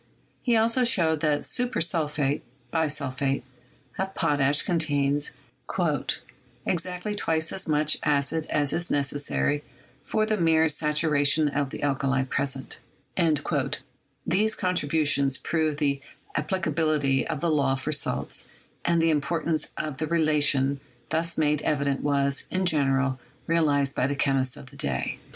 He also showed that "super sulphate" (bisulphate) of potash con tains "exactly twice as much acid as is necessary for the mere saturation of the alkali present." These contribu tions proved the applicability of the law for salts, and the importance of the relation thus made evident was, in general, realized by the chemists of the day.